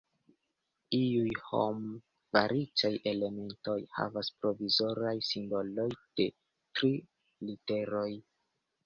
Iuj hom-faritaj elementoj havas provizoraj simboloj de tri literoj.